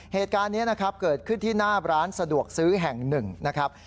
เหตุการณ์นี้นะครับเกิดขึ้นที่หน้าร้านสะดวกซื้อแห่งหนึ่งนะครับ